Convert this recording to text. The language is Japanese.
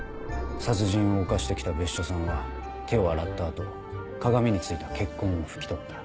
殺人を犯して来た別所さんは手を洗った後鏡についた血痕を拭き取った。